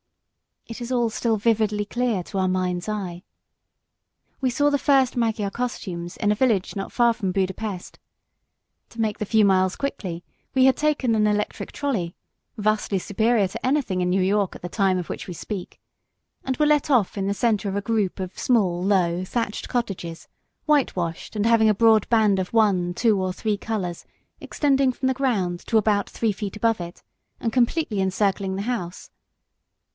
It is all still vividly clear to our mind's eye. We saw the first Magyar costumes in a village not far from Buda Pest. To make the few miles quickly, we had taken an electric trolley, vastly superior to anything in New York at the time of which we speak; and were let off in the centre of a group of small, low thatched cottages, white washed, and having a broad band of one, two or three colours, extending from the ground to about three feet above it, and completely encircling the house.